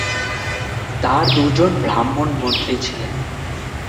তার দু-জন ব্রাহ্মণ মন্ত্রী ছিলেন।